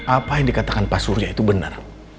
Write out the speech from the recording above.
apa yang dikatakan pak surya itu benar